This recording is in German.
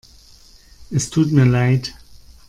Es tut mir leid.